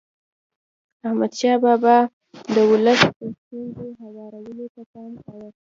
احمدشاه بابا د ولس د ستونزو هوارولو ته پام کاوه.